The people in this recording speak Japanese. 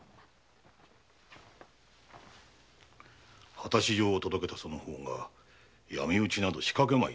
果たし状を届けたその方が闇討ちなど仕掛けまいと思う。